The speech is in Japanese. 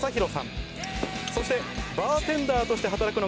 そして。